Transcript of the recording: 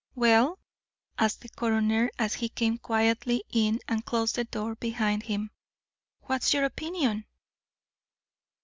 "Well," asked the coroner, as he came quietly in and closed the door behind him, "what's your opinion?"